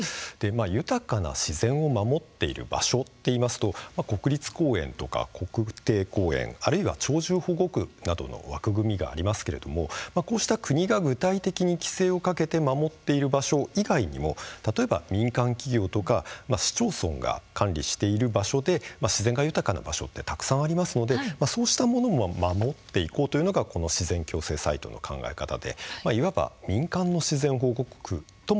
豊かな自然を守っている場所と言いますと国立公園とか国定公園、あるいは鳥獣保護区などの枠組みがありますけれどもこうした国が具体的に規制をかけて守っている場所以外にも例えば民間企業とか市町村が管理している場所で自然が豊かな場所ってたくさんありますのでそうしたものを守っていこうというのがこの自然共生サイトの考え方でいわば「民間の自然保護区」